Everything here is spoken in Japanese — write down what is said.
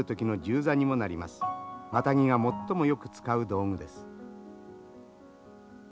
マタギが最もよく使う道具です。